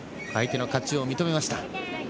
相手の勝ちを認めました。